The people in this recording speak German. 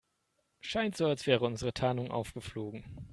Scheint so, als wäre unsere Tarnung aufgeflogen.